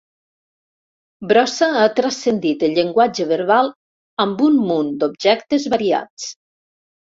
Brossa ha transcendit el llenguatge verbal amb un munt d'objectes variats.